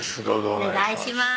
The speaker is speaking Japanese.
お願いします